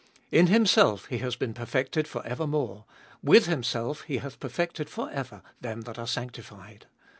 In Himself He has been perfected for evermore, with Himself He hath perfected for ever them that are sanctified.